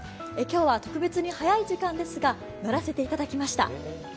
今日は特別に早い時間ですが、乗せていただきました。